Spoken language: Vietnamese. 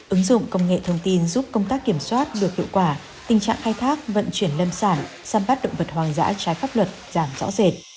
ứng dụng công nghệ thông tin giúp công tác kiểm soát được hiệu quả tình trạng khai thác vận chuyển lâm sản săn bắt động vật hoang dã trái pháp luật giảm rõ rệt